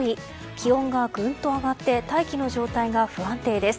気温がぐんと上がって大気の状態が不安定です。